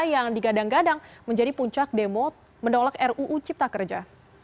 yang digadang gadang menjadi puncak demo menolak ruu cipta kerja